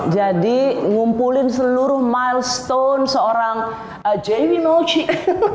jadi ngumpulin seluruh milestone seorang dewi motik